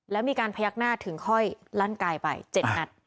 แล้วมีการพยักหน้าถึงค่อยลั่นกายไป๗นัด